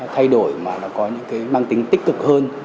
thay đổi mà nó có những cái mang tính tích cực hơn